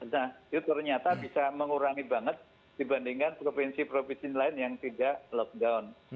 nah itu ternyata bisa mengurangi banget dibandingkan provinsi provinsi lain yang tidak lockdown